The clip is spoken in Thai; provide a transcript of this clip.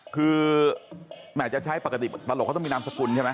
คือแหมจะใช้ปกติตลกเขาต้องมีนามสกุลใช่ไหม